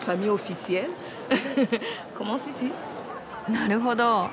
なるほど。